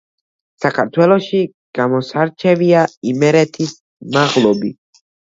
საქართველოში გამოსარჩევია იმერეთის მაღლობი.